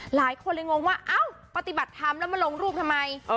หลายคนเลยงงว่าโกรธทำมาลงรูปทำไม